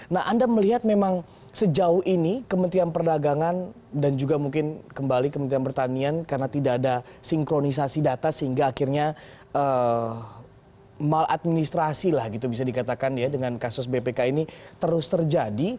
nah anda melihat memang sejauh ini kementerian perdagangan dan juga mungkin kembali kementerian pertanian karena tidak ada sinkronisasi data sehingga akhirnya maladministrasi lah gitu bisa dikatakan ya dengan kasus bpk ini terus terjadi